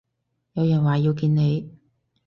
有人話要見你